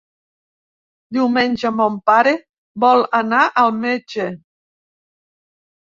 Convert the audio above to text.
Diumenge mon pare vol anar al metge.